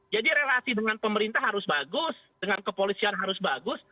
jadi relasi dengan pemerintah harus bagus dengan kepolisian harus bagus